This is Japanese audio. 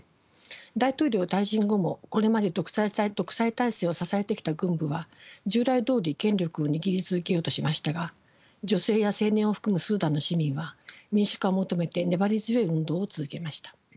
大統領退陣後もこれまで独裁体制を支えてきた軍部は従来どおり権力を握り続けようとしましたが女性や青年を含むスーダンの市民は民主化を求めて粘り強い運動を続けました。